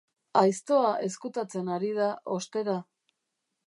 Aiztoa ezkutatzen ari da, ostera.